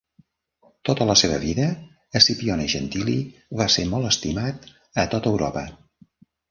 Tota la seva vida, Scipione Gentili va ser molt estimat a tota Europa.